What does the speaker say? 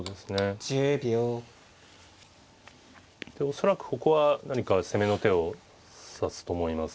恐らくここは何か攻めの手を指すと思います。